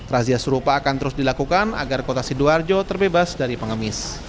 razia serupa akan terus dilakukan agar kota sidoarjo terbebas dari pengemis